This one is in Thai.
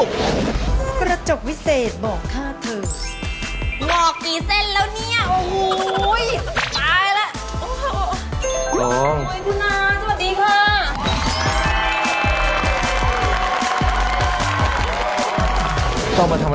กระจกวิเศษบอกข้าเถอะ